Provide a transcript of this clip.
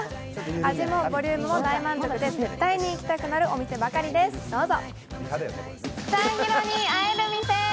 味もボリュームも大満足で絶対に行きたくなるお店ばかりです、どうぞ。